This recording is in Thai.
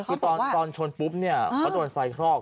คือตอนชนปุ๊บเขาโดนไฟคลอก